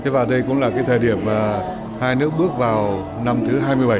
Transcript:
và đây cũng là thời điểm hai nước bước vào năm thứ hai mươi bảy